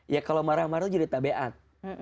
ya kalau marah marah itu cerita beat